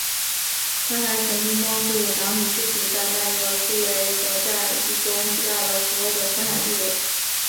她还曾经帮助达努之子在麦格图雷德战役中击败了丑陋的深海巨人。